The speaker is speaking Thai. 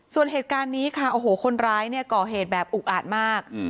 ส่วนเหตุการณ์นี้ค่ะโอ้โหคนร้ายเนี่ยก่อเหตุแบบอุกอาจมาก